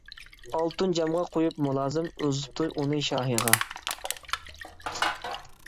ئالتۇن جامغا قۇيۇپ مۇلازىم، ئۇزىتىپتۇ ئۇنى شاھىغا.